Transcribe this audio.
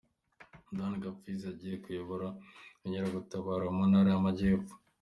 Dan Gapfizi yagiye kuyobora Inkeragutara mu Ntara y’Amajyepfo.